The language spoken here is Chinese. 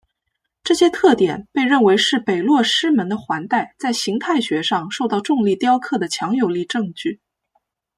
这些特点被认为是北落师门的环带在形态学上受到重力雕刻的强有力证据。